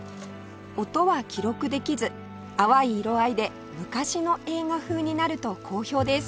音は記録できず淡い色合いで昔の映画風になると好評です